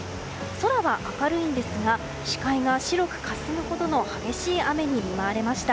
空は明るいのですが視界が白くかすむほどの激しい雨に見舞われました。